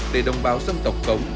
để đồng bào dân tộc của chúng ta